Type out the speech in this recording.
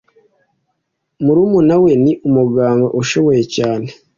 Murumuna we ni umuganga ushoboye cyane.